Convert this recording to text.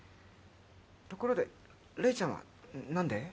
ところで麗ちゃんはなんで？